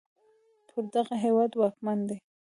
پر دغه هېواد واکمن دی